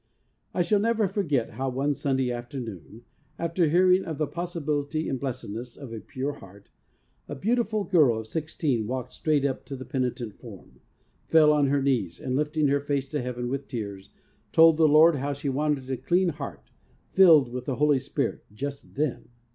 I shall never forget how one Sunday afternoon, after hearing of the possibility and blessedness of a pure heart, a beautiful girl of sixteen walked straight up to the penitent form, fell on her knees, and lifting her face to Heaven with tears, told the Lord how she wanted a clean heart filled with the Holy Spirit just then.